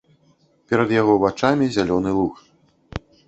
Перад яго вачамі зялёны луг.